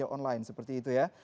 online seperti itu ya